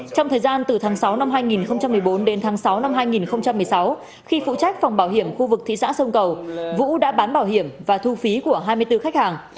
trong thời gian từ tháng sáu năm hai nghìn một mươi bốn đến tháng sáu năm hai nghìn một mươi sáu khi phụ trách phòng bảo hiểm khu vực thị xã sông cầu vũ đã bán bảo hiểm và thu phí của hai mươi bốn khách hàng